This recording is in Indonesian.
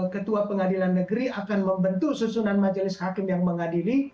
ketua pengadilan negeri akan membentuk susunan majelis hakim yang mengadili